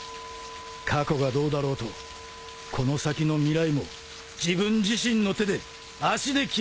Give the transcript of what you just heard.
過去がどうだろうとこの先の未来も自分自身の手で足で切り開く！